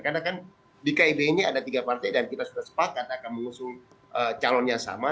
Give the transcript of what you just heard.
karena kan di kib ini ada tiga partai dan kita sudah sepakat akan mengusul calon yang sama